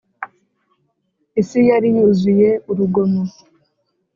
isi yari yuzuye urugomo